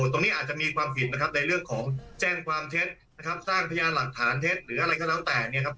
ตรงนี้อาจจะมีความผิดนะครับในเรื่องของแจ้งความเท็จนะครับสร้างพยานหลักฐานเท็จหรืออะไรก็แล้วแต่เนี่ยครับ